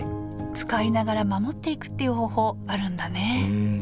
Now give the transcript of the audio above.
使いながら守っていくっていう方法あるんだね。